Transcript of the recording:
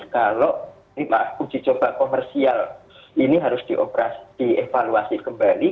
kalau uji coba komersial ini harus dievaluasi kembali